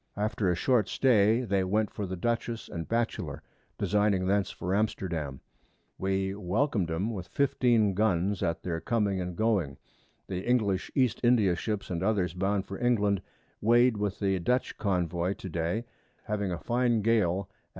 After a short Stay they went for the Dutchess and Batchelor, designing thence for Amsterdam; we welcom'd 'em with 15 Guns at their coming and going; the English East India Ships and others bound for England weigh'd with the Dutch Convoy to Day, having a fine Gale at N.